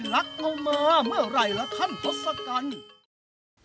รักเอามาเมื่อไหร่ล่ะท่านทศกัณฐ์